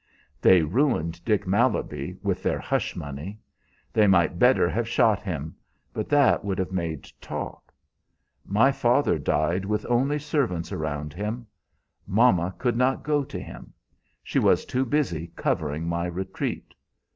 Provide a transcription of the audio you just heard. "They ruined Dick Malaby with their hush money. They might better have shot him, but that would have made talk. My father died with only servants around him. Mama could not go to him. She was too busy covering my retreat.